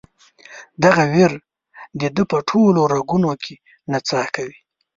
دغه ویر د ده په ټولو رګونو کې نڅا کوي.